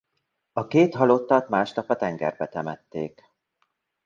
A két halottat másnap a tengerbe temették.